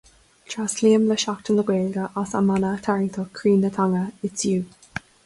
Tréaslaím le Seachtain na Gaeilge as a mana tarraingteach "Croí na Teanga: It's you".